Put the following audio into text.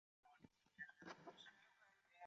米拉山灯心草为灯心草科灯心草属的植物。